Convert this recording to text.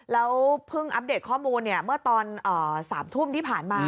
แล้วเพิ่งอัปเดตข้อมูลเมื่อตอน๓ทุ่มที่ผ่านมา